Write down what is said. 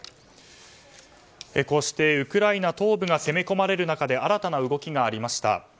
こうしてウクライナ東部が攻め込まれる中で新たな動きがありました。